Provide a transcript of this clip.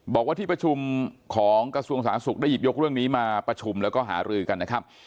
บอกว่าที่ประชุมของกระทรวงสาธารณสุขได้หยิบยกเรื่องนี้มาประชุมแล้วก็หารือกันนะครับ